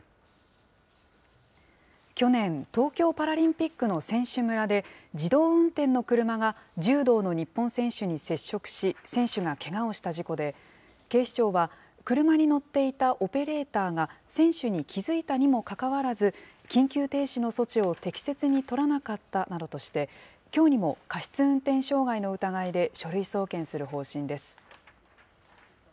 去年、東京パラリンピックの選手村で、自動運転の車が柔道の日本選手に接触し、選手がけがをした事故で、警視庁は、車に乗っていたオペレーターが選手に気付いたにもかかわらず、緊急停止の措置を適切に取らなかったなどとして、きょうにも過失運転傷害の疑いで書類送検する方針です。